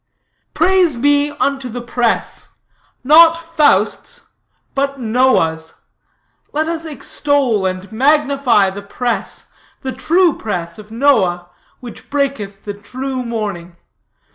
"'Praise be unto the press, not Faust's, but Noah's; let us extol and magnify the press, the true press of Noah, from which breaketh the true morning.